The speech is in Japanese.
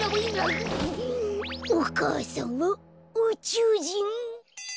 お母さんはうちゅうじん！？